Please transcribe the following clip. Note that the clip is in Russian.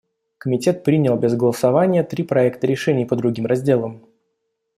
Комитет принял без голосования три проекта решений по другим разделам.